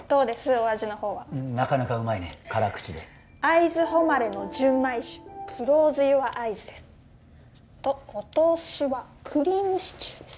お味の方はうんなかなかうまいね辛口で会津ほまれの純米酒「ＣｌｏｓｅＹｏｕｒ会津」ですとお通しはクリームシチューです